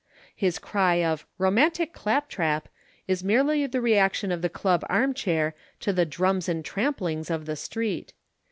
His cry of "romantic claptrap" is merely the reaction of the club armchair to the "drums and tramplings" of the street.